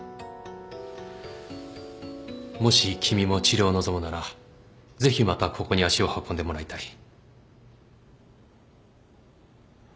もし君も治療を望むならぜひまたここに足を運んでもらいたい。